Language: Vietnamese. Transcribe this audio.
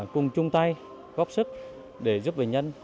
cùng chung tay góp sức để giúp bệnh nhân